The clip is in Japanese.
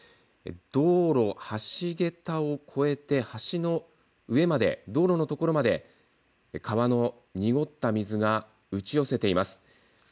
道路を橋桁を越えて橋の上まで道路の所まで川の濁った水が打ち寄せています。